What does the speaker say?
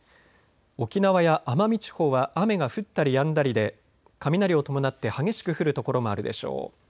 沖縄や奄美地方は雨が降ったりやんだりで雷を伴って激しく降る所もあるでしょう。